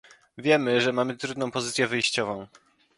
Wiemy, że mamy trudną pozycję wyjściową